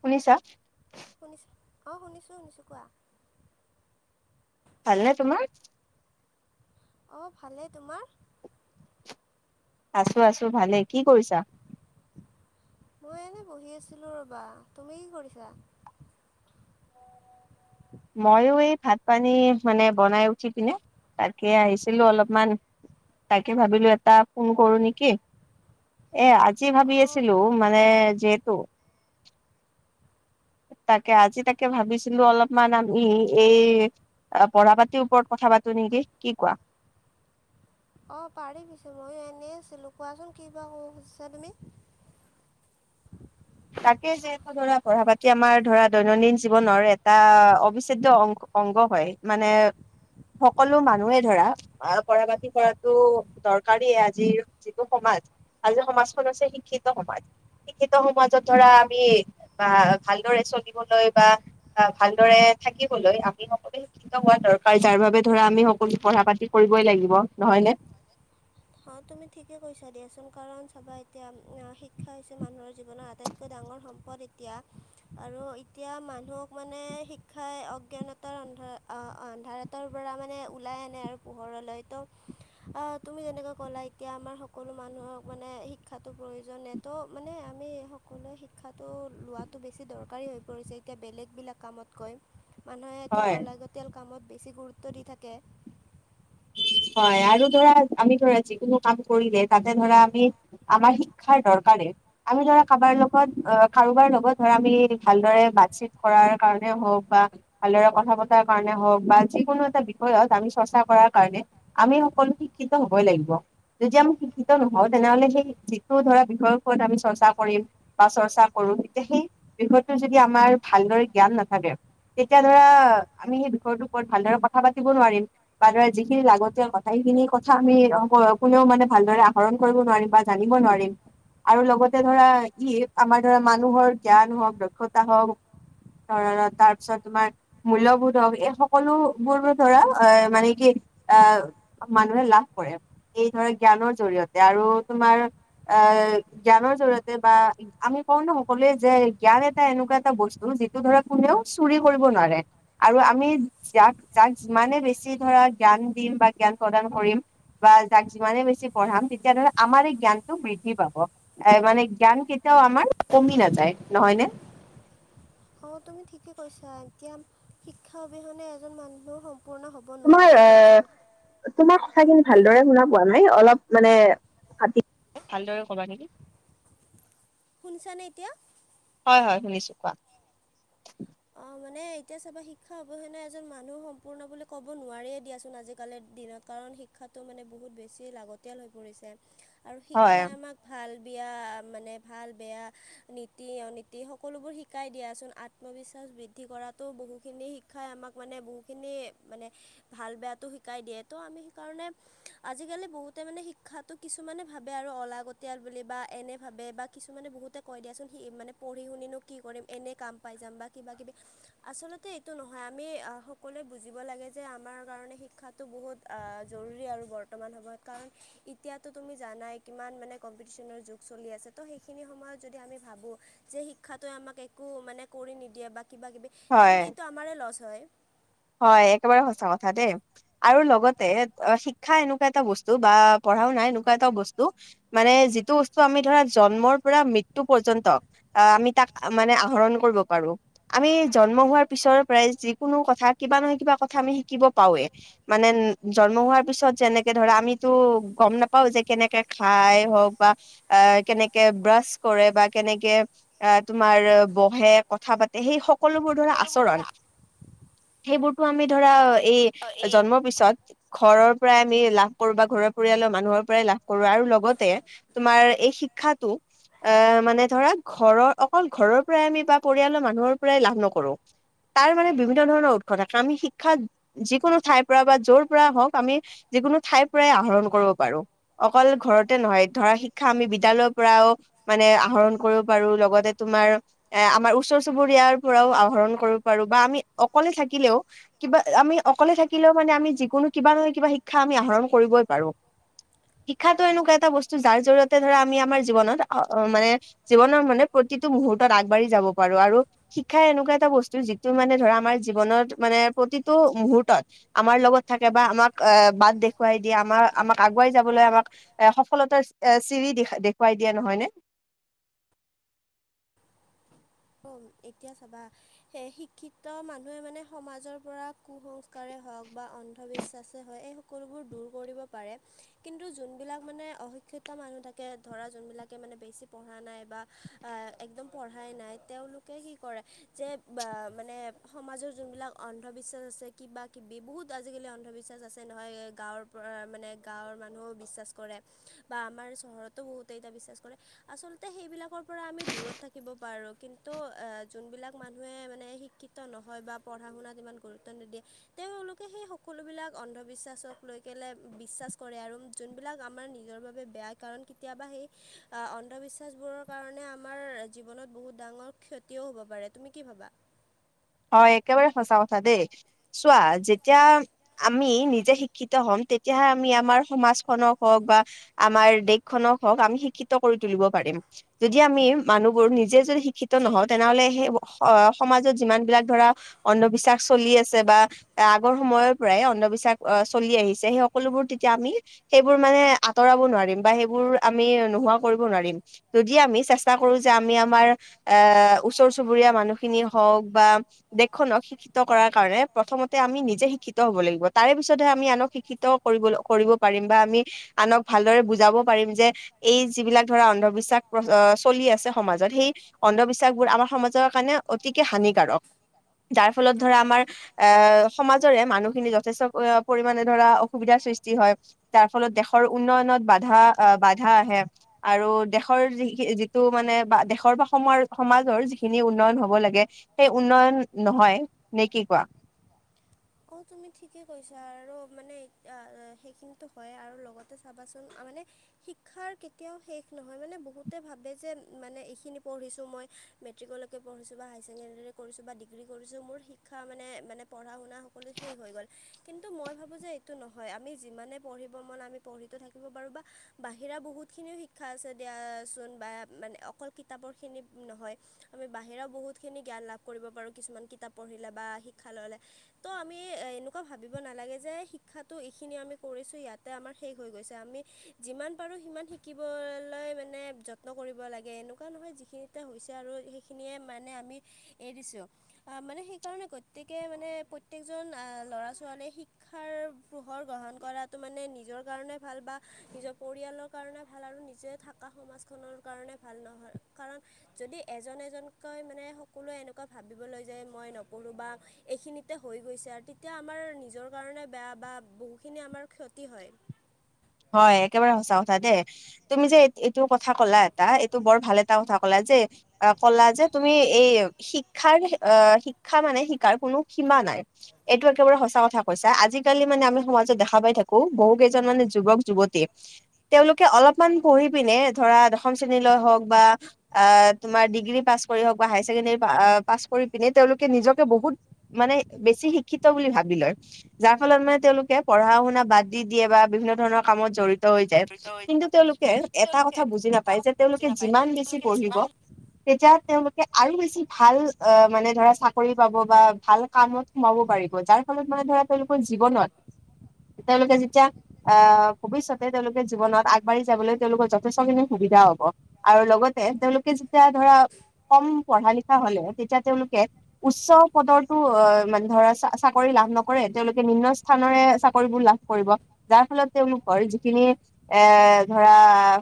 শুনিছা? শুনিছো অ' শুনিছো শুনিছো কোৱা। ভালনে তোমাৰ? অ' ভালেই তোমাৰ? আছো আছো ভালে কি কৰিছা? মই এনেই বহি আছিলোঁ ৰ'বা তুমি কি কৰিছা? ময়ো এই ভাত পানী মানে বনাই উঠি পিনে তাকে আহিছিলো অলপমান তাকে ভাবিলো এটা ফোন কৰো নেকি। এ আজি ভাবি আছিলো মানে যিহেতু তাকে আজি তাকে ভাবিছিলো অলপ মানা আ এই পঢ়া পাতিৰ ওপৰত কথা পাতো নেকি কি কোৱা? অ' পাৰি পিছে ময়ো এনেই আছিলো কোৱাচোন কিবা ক'ব খুজিছা তুমি? তাকে যিহেতু ধৰা পঢ়া পাতি আমাৰ ধৰা দৈনন্দিন জীৱনৰ এটা অবিচ্ছেদ্য অংগ অংগ হয় মানে সকলো মানুহে ধৰা পঢ়া পাতি কৰাতো দৰকাৰীয়ে আজিৰ যিটো সমাজ, আজি সমাজখন আছে শিক্ষিত সমাজ, শিক্ষিত সমাজ ধৰা আমি বা ভালদৰে চলিবলৈ বা আহ, ভালদৰে থাকিবলৈ আমি সকলোৱে হোৱা দৰকাৰ যাৰ বাবে ধৰা আমি সকলো পঢ়া পাতি কৰিবই লাগিব নহয় নে? অ' তুমি ঠিকে কৈছা দিয়াচোন কাৰণ চাবা এতিয়া শিক্ষা হৈছে মানুহৰ জীৱনৰ আটাইতকৈ ডাঙৰ সম পদ এতিয়া আৰু এতিয়া মানুহক মানে শিক্ষাই অজ্ঞানতাৰ আন্ধাৰ, আন্ধাৰ পৰা মানে ওলাই আনে আৰু পোহৰলৈ ত' তুমি যেনেকুৱা ক'লা এতিয়া আমাৰ সকলো মানুহক মানে শিক্ষাটো প্ৰয়োজনে তো মানে আমি সকলোৱে শিক্ষাটো লোৱাটো বেছি দৰকাৰী হৈ পৰিছে এতিয়া বেলেগবিলাক কামত কৈ। মানুহে এতিয়া অলাগতিয়াল কামত বেছি গুৰুত্ব দি থাকে। হয় আৰু ধৰা আমি ধৰা যিকোনো কাম কৰিলে তাতে ধৰা আমি আমাৰ শিক্ষাৰ দৰকাৰে আমি ধৰা কাবাৰ লগত কাৰোবাৰ লগত ধৰা আমি ভালদৰে বাতচিত কৰাৰ কাৰণে হওঁক বা ভালদৰে কথা পতাৰ কাৰণে হওক বা যিকোনো এটা বিষয়ত আমি চৰ্চা কৰা কাৰণে আমি সকলো শিক্ষিত হ'বই লাগিব। যদি আমি শিক্ষিত নহওঁ তেনেহ'লে সেই যিটো ধৰা বিষয়ৰ ওপৰত আমি চৰ্চা কৰিম বা চৰ্চা কৰো তেতিয়া সেই বিষয়টোৰ যদি আমাৰ ভালদৰে জ্ঞান নাথাকে তেতিয়া ধৰা আমি সেই বিষয়টোৰ ওপৰত ভালদৰে কথা পাতিব নোৱাৰিম বা ধৰা যিখিনি লাগতিয়াল কথা সেইখিনি কথা আমি কোনেও মানে ভালদৰে আহৰণ কৰিব নোৱাৰিম বা জানিব নোৱাৰিম। আৰু লগতে ধৰা ই আমাৰ ধৰা মানুহৰ জ্ঞান হওঁক, দক্ষতা হওঁক [unintelligible] তাৰপিছত তোমাৰ মূল্যবোধ হওঁক এই সকলোবোৰ ধৰা এ মানে কি আহ, মানুহে লাভ কৰে এই ধৰা জ্ঞানৰ জৰিয়তে আৰু তোমাৰ আহ, জ্ঞানৰ জৰিয়তে বা আমি কও ন সকলোৱে যে জ্ঞান এটা এনেকুৱা এটা বস্তু যিটো ধৰা কোনেও চুৰি কৰিব নোৱাৰে। আৰু আমি যাক যাক যিমানে বেছি ধৰা জ্ঞান দিম বা জ্ঞান প্ৰদান কৰিম, বা যাক যিমানে বেছি পঢ়াম তেতিয়া ধৰা আমাৰে জ্ঞানটো বৃদ্ধি পাব। এ মানে জ্ঞান কেতিয়াও আমাৰ কমি নাযায় নহয়নে? অ তুমি ঠিকে কৈছা এতিয়া শিক্ষা অবিহনে এজন মানুহ সম্পূৰ্ণ হ'ব, তুমাৰ এ তোমাৰ কথাখিনি ভালদৰে শুনা পোৱা নাই অলপ মানে ফাটি, ভালদৰে কবা নেকি? শুনছানে এতিয়া? হয় হয় শুনিছোঁ কোৱা? অ মানে এতিয়া চাবা শিক্ষা অবিহনে এজন মানুহ সম্পূৰ্ণ বুলি ক'ব নোৱাৰে দিয়াচোন আজিকালিৰ দিনত। কাৰণ শিক্ষাটো মানে বহুত বেছি লাগতিয়াল হৈ পৰিছে, আৰু শিক্ষাই আমাক ভাল বেয়া মানে ভাল বেয়া নীতি নীতি সকলোবোৰ শিকাই দিয়াচোন আত্মবিশ্বাস, বৃদ্ধি কৰাতো বহুখিনি শিক্ষাই আমাক মানে, বহুখিনি মানে ভাল বেয়াটো সি শিকাই দিয়ে তো আমি সেইকাৰণে, আজিকালি বহুতে মানে শিক্ষাটো কিছুমানে ভাবে আৰু অলাগতিয়াল বুলি, বা এনে ভাবে বা কিছুমানে বহুতে কৈ দিয়াচোন সি মানে পঢ়ি শুনি কি কৰিম, এনেই কাম পাই যাম বা কিবাকিবি, আচলতে এইটো নহয় আমি সকলোৱে বুজিব লাগে যে আমাৰ কাৰণে শিক্ষাত তো বহুত আ জৰুৰী আৰু বৰ্তমান সময়ত, কাৰণ এতিয়াতো তুমি জানাই, কিমান মানে কম্পিটিশ্যনৰ যুগ চলি আছে। তো সেইখিনি সময়ত যদি আমি ভাবোঁ, যে শিক্ষাটোৱে আমাক এক, একো মানে কৰি নিদিয়ে বা কিবাকিবি, তেন্তে এইটো আমাৰে লছ হয়। হয় একেবাৰে সঁচা কথা দেই। আৰু লগতে অ শিক, শিক্ষা এনেকুৱা এটা বস্তু বা পঢ়া-শুনা এনেকুৱা এটাও বস্তু, মানে যিটো বস্তু আমি ধৰা জন্মৰ পৰা মৃত্যু পৰ্যন্ত, আহ আমি তাক মানে আহৰণ কৰিব পাৰো। আমি জন্ম হোৱাৰ পিছৰ পৰাই যিকোনো কথা কিবা নহয় কিবা কথা আমি শিকিব পাওঁৱে। মানে জন্ম হোৱাৰ পিছত যেনেকে ধৰা আমিতো গম নাপাও যে কেনেকে খাই হওক বা, আহ কেনেকে ব্ৰাছ কৰে, বা কেনেকে, আ তোমাৰ বহে, কথা পাত, তে সেই সকলোবোৰ ধৰা আচৰণ। সেইবোৰতো আমি ধৰা এই জন্মৰ পিছত, ঘৰৰ পৰাই আমি লাভ কৰো বা ঘৰৰ পৰিয়ালৰ মানুহৰ পৰাই লাভ, কৰো আৰু লগতে তোমাৰ এই শিক্ষাটো, আহ মানে ধৰা, ঘৰৰ অকল ঘৰৰ পৰাই আমি বা পৰিয়ালৰ মানুহৰ পৰাই লাভ নকৰো। তাৰ মানে বিভিন্ন ধৰণৰ উৎস থাকে, আমি শিক্ষাত, যিকোনো ঠাইৰ পৰা বা যৰ পৰা হওঁক, আমি যিকোনো ঠাইৰ পৰাই আহৰণ কৰিব পাৰো। অকল ঘৰতে নহয় ধৰা শিক্ষা আমি বিদ্যালয়ৰ পৰাও, মানে আহৰণ কৰিব পাৰো, লগতে তোমাৰ, এ আমাৰ ওচৰ চুবুৰীয়াৰ পৰাও আহৰণ কৰিব পাৰো। বা আমি অকলে থাকিলেও, কিবা আমি অকলে থাকিলেও মানে আমি যিকোনো কিবা নহয় কিবা শিক্ষা আমি আহৰণ কৰিবই পাৰো। শিক্ষাটো এনেকুৱা এটা বস্তু যাৰ জৰিয়তে ধৰা আমি আমাৰ জীৱনত আ আ মানে, জীৱনৰ মানে প্ৰতিটো মুহুৰ্তত আগবাঢ়ি যাব পাৰো আৰু, শিক্ষা এনেকুৱা এটা বস্তু যিটো মানে ধৰা আমাৰ জীৱনত মানে প্ৰতিটো মুহুৰ্তত, আমাৰ লগত থাকে বা আমাক বাট দেখুৱাই দিয়ে আমাক আমাক আগুৱাই যাবলৈ আমাক, এ সফলতাৰ এ চিৰি দে দেখুৱাই দিয়া নহয় নে? অ এতিয়া চাবা, এ শিক্ষিত মানুহে মানে সমাজৰ পৰা কুসংস্কাৰে হওঁক বা অন্ধবিশ্বাসে হওঁক এই সকলোবোৰ দূৰ কৰিব পাৰে। কিন্তু যোনবিলাক মানে অশিক্ষিত মানুহ থাকে, ধৰা যোনবিলাকে মানে বেছি পঢ়া নাই বা একদম পঢ়াই নাই। তেওঁলোকে কি কৰে যে বা-মানে সমাজৰ যোনবিলাক অন্ধবিশ্বাস আছে কিবা-কিবি বহুত আজিকালি অন্ধবিশ্বাস আছে নহয়, গাঁৱৰ পৰা মানে গাঁৱৰ মানুহেও বিশ্বাস কৰে। বা আমাৰ চহৰতো বহুতেই এতিয়া বিশ্বাস কৰে। আচলতে সেইবিলাকৰ পৰা আমি দূৰত থাকিব পাৰো। কিন্তু তো এ যোনবিলাক মানুহে মানে শিক্ষিত নহয় বা পঢ়া শুনাত ইমান গুৰুত্ব নিদিয়ে, তেওঁলোকে সেই সকলোবিলাক অন্ধবিশ্বাসক লৈ কেলে বিশ্বাচ কৰে আৰু যোনবিলাক আমাৰ নিজৰ বাবে বেয়া। কাৰণ কেতিয়াবা সেই অন্ধবিশ্বাসবোৰৰ কাৰণে আমাৰ জীৱনত বহুত ডাঙৰ ক্ষতিও হ'ব পাৰে। তুমি কি ভাবা? হয় একেবাৰে সঁচা কথা দেই। চোৱা, যেতিয়া আমি নিজে শিক্ষিত হ'ম, তেতিয়াহে আমি আমাৰ সমাজখনক হওঁক বা আমাৰ দেশখনক হওঁক আমি শিক্ষিত কৰি তুলিব পাৰিম। যদি আমি মানুহবোৰ নিজে যদি শি শিক্ষিত নহওঁ, তেনেহলে সেই অ-সমাজত যিমান বিলাক ধৰা অন্ধবিশ্বাস চলি আছে, বা আগৰ সময়ৰ পৰাই অন্ধবিশ্বাস চলি আহিছে, সেই সকলোবোৰ তেতিয়া আমি সেইবোৰ মানে, আঁতৰাব নোৱাৰিম বা সেইবোৰ আমি নোহোৱা কৰিব নোৱাৰিম। যদি আমি চেষ্টা কৰো যে আমি আমাৰ এ ওচৰ চুবুৰীয়া মানুহখিনি হওঁক দেশক শিক্ষিত কৰাৰ কাৰণে, প্ৰথমতে আমি নিজে শিক্ষিত হ'ব লাগিব। তাৰে পিছতহে আমি আনক শিক্ষিত কৰিব কৰিব পাৰিম, বা আমি আনক ভালদৰে বুজাব পাৰিম। যে এই যিবিলাক ধৰা অন্ধবিশ্বাস চলি আছে সমাজত। সেই অন্ধবিশ্বাসবোৰ আমাৰ সমাজৰ কাৰণে অতিকে হানিকাৰক। যাৰ ফলত ধৰা আমাৰ এ সমাজৰে মানুহখিনি যথেষ্ট পৰিমামানে ধৰা অসুবিধাৰ সৃষ্টি হয়। তাৰ ফলত দেশৰ উন্নয়নত বাধা আহ বাধা আহে আৰু দেশৰ যিখ যিটো মানে বা দেশৰ বা সমৰ সমাজৰ যিখিনি উন্নয়ন হব লাগে সেই উন্নয়ন নহয়। নে কি কোৱা? অ', তুমি ঠিকেই কৈছা আৰু মানে সেইখিনো হয়, আৰু লগতে চাবাচোন মানে শিক্ষাৰ কেতিয়াও শেষ নহয়। মানে বহুতে ভাবে যে মানে এইখিনি পঢ়িছো মই মেট্ৰিকলৈে পঢ়িছোঁ, হাই ছেকেণ্ডেৰীলৈ কৰিছোঁ বা ডিগ্ৰী কৰিছো মোৰ শিক্ষা মানে মানে পঢ়া শুনা কলো সেই হৈ গ'ল। কিন্তু মই ভাবোঁ যে এইটো নহয়, আমি যিমানে পঢ়িব মন আমি পঢ়িতো থাকিব পাৰোঁ বা বাহিৰা বহুতখিনিও শিক্ষা আছে দিয়াচোন। বা মানে অকল কিতাপৰখিনি নহয়। আমি বাহিৰাও বহুতখিনি জ্ঞান লাভ কৰিব পাৰোঁ। কিছুমান কিতাপ পঢ়িলে বা শিক্ষা ললে। তো আমি এনেকুৱা ভাবিব নালাগে যে শিক্ষাটো এইখিনি আমি কৰিছোঁ ইয়াতে আমাৰ শেষ হৈ গৈছে। আমি যিমান পাৰোঁ সিমান শিকিবলৈ মানে যত্ন কৰিব লাগে। এনেকুৱা নহয় যিখিনি হৈছে আৰু সেইখিনিয়ে মানে আমি এ দিছো। মানে সেইকাৰণে প্ৰত্যেকে মানে প্ৰত্যেয়েকজন ল'ৰা ছোৱালীয়ে শিক্ষাৰ পোহৰ গ্ৰহণ কৰাটো মানে নিজৰ কাৰণে ভাল বা নিজৰ পৰিয়ালৰ কাৰণে ভাল আৰু নিজে থকা সমাজখনৰ কাৰণে ভাল নহয়। কাৰণ যদি এজন এজনকৈ মানে সকলোৱে এনেকুৱা ভাবিবলৈয় যে মই নপঢ়ো বা এইখিনি তে হৈ গৈছে আৰু তেতিয়া আমাৰ নিজৰ কাৰণে বেয়া বা বহুখিনি আমাৰ ক্ষতি হয়। হয়, একেবাৰে সঁচা কথা দেই। তুমি যে এইটো কথা ক'লা এটা, এইটো বৰ ভাল এটা কথা কলা যে অ', কলা যে তুমি এই শিক শিক্ষাৰ আ, শিক্ষা মানে শিকাৰ কোনো সীমা নাই। এইটো একেবাৰে সঁচা কথা কৈছা আজিকালি মানে আমি সমাজত দেখা পাই থাকো বহু কেইজন মানে যুৱক যুৱতী তেওঁলোকে অলপমান পঢ়ি পিনে ধৰা দশম শ্ৰেণীলৈ হওক বা আ, তোমাৰ ডিগ্ৰী পাছ কৰি হওক বা হায় ছেকেণ্ডেৰী আ, পাছ কৰি পিনে তেওঁলোকে নিজকে বহুত মানে বেছি শিক্ষিত বুলি ভাবি লয়। যাৰ ফলত মানে তেওঁলোকে পঢ়া শুনা বাদ দি দিয়ে বা বিভিন্ন ধৰণৰ কামত জড়িত ত' হৈ যায় কিন্তু তেওঁলোকে এটা কথা বুজি নাপায় যে তেওঁলোকে যিমান বেছি পঢ়িব তেতিয়া তেওঁলোকে আৰু বেছি ভাল আ, মানে ধৰা চাকৰি পাব বা ভাল কামত সোমাব পাৰিব যাৰ ফলত মানে ধৰা তেওঁলোকৰ জীৱনত তেওঁলোকে যেতিয়া আ ভৱিষ্যতে তেওঁলোকে জীৱনত আগবাঢ়ি যাবলৈ তেওঁলোকৰ যথেষ্টখিনি সুবিধা হব আৰু লগতে তেওঁলোকে যেতিয়া ধৰা কম পঢ়া লিখা হলে তেতিয়া তেওঁলোকে উচ্চ পদৰতো আ, মানে ধৰা চাকৰি লাভ নকৰে তেওঁলোকে নিম্ন স্থানৰে চাকৰিবোৰ লাভ কৰিব, যাৰ ফলত তেওঁলোকৰ যিখিনি এ ধৰা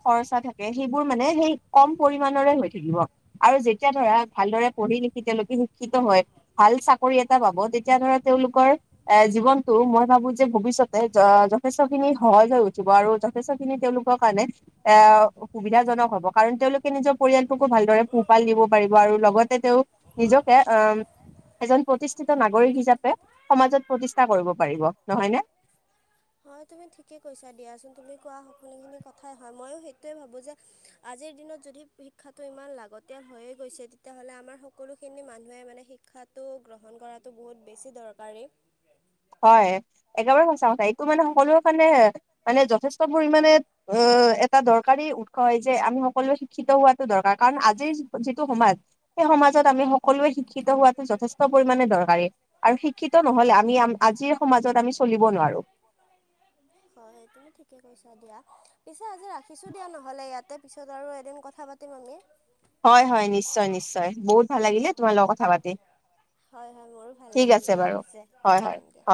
খৰচা থাকে সেইবোৰ মানে সেই কম পৰিমানৰে হৈ থাকিব। আৰু যেতিয়া ধৰা ভালদৰে পঢ়ি লিখি তেওঁলোকে শিক্ষিত হয় ভাল চাকৰি এটা পাব তেতিয়া ধৰা তেওঁলোকৰ এ জীৱনটো মই ভাবো যে ভৱিষ্যতে আ, যথেষ্ট খিনি সহজ হৈ উঠিব আৰু যথেষ্ট খিনি তেওঁলোকৰ কাৰণে এ সুবিধাজনক হব কাৰণ তেওঁলোকে নিজৰ পৰিয়ালটোকো ভালদৰে পোহপাল দিব পাৰিব আৰু লগতে তেওঁ নিজকে অ' এজন প্ৰতিষ্ঠিত নাগৰিক হিচাপে সমাজত প্ৰতিষ্ঠা কৰিব পাৰিব নহয় নে? হয়, তুমি ঠিকে কৈছা দিয়াচোন তুমি কোৱা সকলোখিনি কথাই হয়, ময়ো সেইটোৱে ভাবোঁ যে আজিৰ দিনত যদি শিক্ষাটো ইমান লাগতিয়াল হৈয়ে গৈছে তেতিয়াহ'লে আমাৰ সকলোখিনি মানুহে মানে শিক্ষাটো গ্ৰহণ কৰাটো বহুত বেছি দৰকাৰী। হয়, একেবাৰে সচা কথা এইটো মানে সকলোৰে কাৰণে মানে যথেষ্ট পৰিমানে অ', এটা দৰকাৰী উৎস হয় যে আমি সকলোৱে শিক্ষিত হোৱাটো দৰকাৰ কাৰণ আজিৰ যিটো সমাজ সেই সমাজত আমি সকলোৱে শিক্ষিত হোৱাটো যথেষ্ট পৰিমাণে দৰকাৰী আৰু শিক্ষিত নহলে আমি আম আজিৰ সমাজত আমি চলিব নোৱাৰো। [inaudible] হয়, সেই তুমি ঠিকে কৈছা দিয়া। পিছে আজি ৰাখিছোঁ দিয়া নহলে ইয়াতে পিছত আৰু এদিন কথা পাতিম আমি। হয়, হয়, নিশ্চয় নিশ্চয় বহুত ভাল লাগিলে তোমাৰ লগত কথা পাতি হয়, হয় মোৰো ভাল লাগিল দিয়া পিছে দিয়া